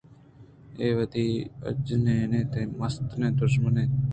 اے وہدی آجنین تئی مستریں دژمن اِنت